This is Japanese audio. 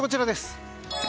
こちらです。